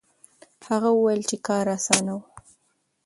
هغه وویل چې کار اسانه و.